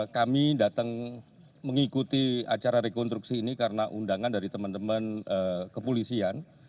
kami datang mengikuti acara rekonstruksi ini karena undangan dari teman teman kepolisian